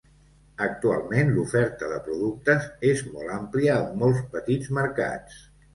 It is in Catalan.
Actualment l'oferta de productes és molt àmplia amb molts petits mercats.